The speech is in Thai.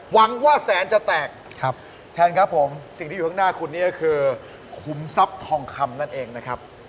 หวังว่าแสนจะแตกแทนครับผมสิ่งที่อยู่ข้างหน้าคุณนี่ก็คือขุมทรัพย์ทองคำนั่นเองนะครับ